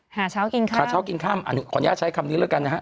หาเช้ากินค่ำหาเช้ากินค่ำขออนุญาตใช้คำนี้แล้วกันนะฮะ